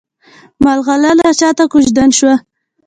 ملغلره چاته کوژدن شوه؟